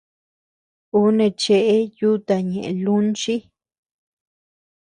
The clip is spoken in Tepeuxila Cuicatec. Ú neʼe cheʼe yuta ñeʼe lunchi.